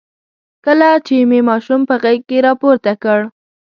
کله چې مې ماشوم په غېږ کې راپورته کړ.